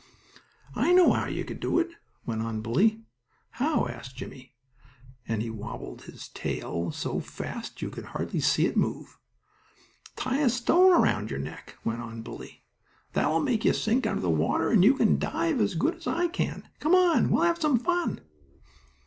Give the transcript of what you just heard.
"I know how you could do it," went on Bully. "How?" asked Jimmie, and he wobbled his tail so fast you could hardly see it move. "Tie a stone around your neck," went on Bully. That will make you sink under water, and you can then dive as good as I can. Come on, we'll have some fun."